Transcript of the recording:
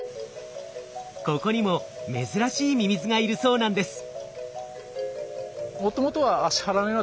ここにも珍しいミミズがいるそうなんです。